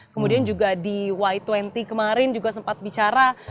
kemudian juga di y dua puluh kemarin juga sempat bicara